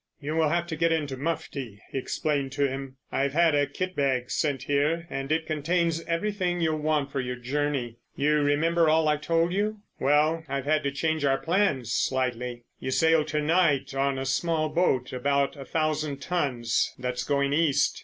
"You will have to get into mufti," he explained to him. "I've had a kit bag sent here, and it contains everything you'll want for your journey. You remember all I've told you? Well, I've had to change our plans slightly. You sail to night on a small boat, about a thousand tons, that's going East.